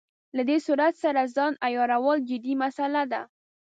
له دې سرعت سره ځان عیارول جدي مساله ده.